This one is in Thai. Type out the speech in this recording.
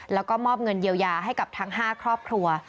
แล้วก็มอบเงินเยียวยาให้กับทั้ง๕ครอบครัว